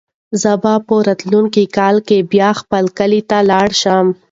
زه به په راتلونکي کال کې بیا خپل کلي ته لاړ شم.